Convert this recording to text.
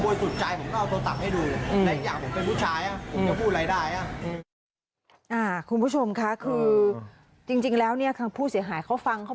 กว่าผู้ต้องสงสัยจะออกมาออกมาจากห้องน้ำได้ก็ใช้เวลาพักนึง